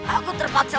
aku weiterkan aku selalu